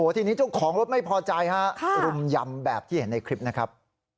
ทีนี้เจ้าของรถไม่พอใจฮะรุมยำแบบที่เห็นในคลิปนะครับ